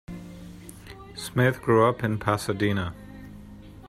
Smith grew up in Pasadena.